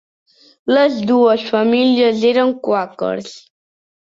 Les dues famílies eren quàquers.